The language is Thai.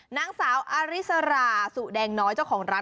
นางสาวอาริสราสุแดงน้อยเจ้าของร้าน